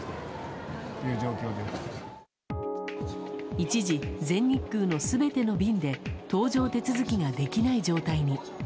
一時、全日空の全ての便で搭乗手続きができない状態に。